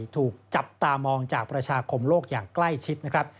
ถูกจับตามองจากประชาคมโลกอย่างใกล้ชิดนะครับ